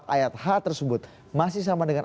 ayat h tersebut masih sama dengan